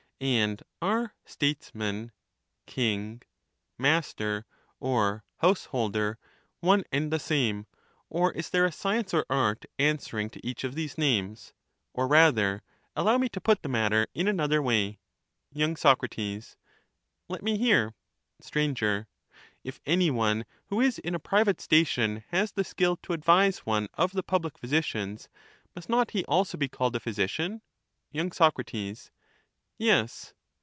And are 'statesman,* *king,' * master,' or 'house holder,' one and the same; or is there a science or art answering to each of these names ? Or rather, allow me to put the matter in another way. 259 Y. Sac. Let me hear. Str. If any one who is in a private station has the skill to advise one of the public physicians, must not he also be called a physician ? Y. Sac. Yes.